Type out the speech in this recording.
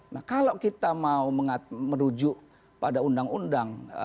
nah kalau kita mau merujuk pada undang undang